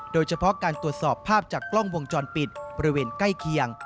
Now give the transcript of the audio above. โดยเฉพาะการตรวจสอบภาพจากกล้องวงจรปิดบริเวณใกล้เคียง